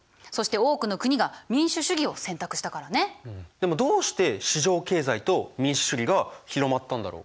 でもどうして市場経済と民主主義が広まったんだろう？